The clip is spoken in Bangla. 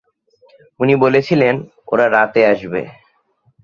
উনি বলেছিলেন, ওরা রাতে আসবে!